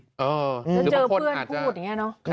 จะเจอเพื่อนพูดอย่างนี้เนอะคือบางคนหา